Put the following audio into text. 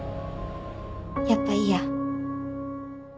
やっぱいいや。